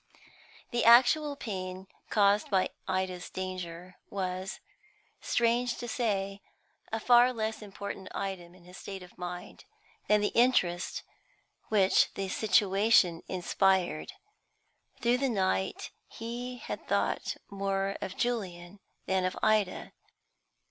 The actual pain caused by Ida's danger was, strange to say, a far less important item in his state of mind than the interest which the situation inspired. Through the night he had thought more of Julian than of Ida.